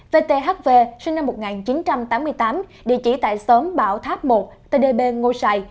v t h v sinh năm một nghìn chín trăm tám mươi tám địa chỉ tại sớm bảo tháp một t d b ngô sài